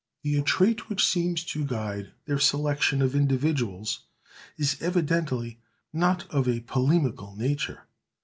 The attrait which seems to guide their selection of individuals is evidently not of a polemical nature.